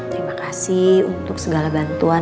terima kasih untuk segala bantuan